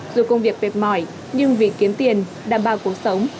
dù công việc tuyệt mỏi nhưng vì kiến tiền đảm bảo cuộc sống